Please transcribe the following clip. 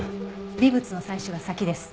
微物の採取が先です。